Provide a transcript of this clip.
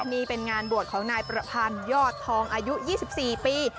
นี่เป็นงานบวชของนายประพันธ์ยอดทองอายุ๒๔ปี